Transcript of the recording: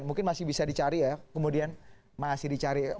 mungkin masih bisa dicari ya kemudian masih dicari